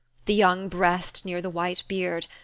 The young breast near the white beard!